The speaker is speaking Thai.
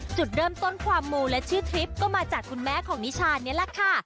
จุดเริ่มต้นความมูและชื่อทริปก็มาจากคุณแม่ของนิชานี่แหละค่ะ